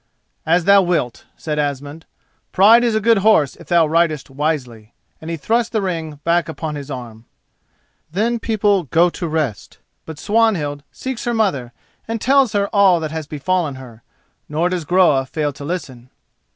"As thou wilt," said Asmund. "Pride is a good horse if thou ridest wisely," and he thrust the ring back upon his arm. Then people go to rest; but Swanhild seeks her mother, and tells her all that has befallen her, nor does Groa fail to listen.